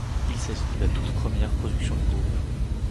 Il s'agit de la toute première production du groupe.